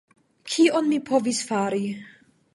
Kion mi povis fari?